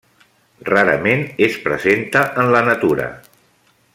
Rarament es presenta en la natura.